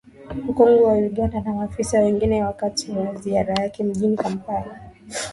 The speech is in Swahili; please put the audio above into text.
mkongwe wa Uganda na maafisa wengine wakati wa ziara yake mjini kampala